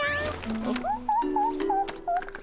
オホホホホホホ。